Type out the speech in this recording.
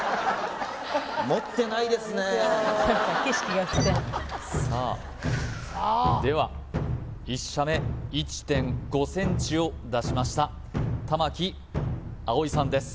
もってないですねそうなんですよさあでは１射目１．５ｃｍを出しました玉木碧さんです